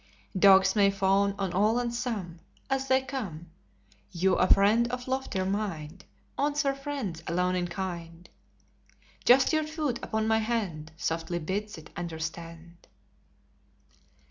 Dogs may fawn on all and some As they come: You a friend of loftier mind, Answer friends alone in kind. Just your foot upon my hand Softly bids it understand.